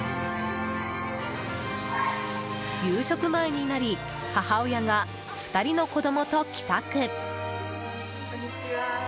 夕食前になり母親が２人の子供と帰宅。